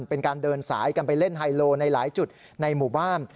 เป็นการเดินสายกันไปเล่นไฮโลในหลายจุดในหมู่บ้าน